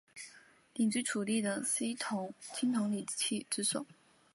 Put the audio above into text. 鼎居楚地的青铜礼器之首。